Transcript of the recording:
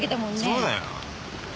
そうだよ。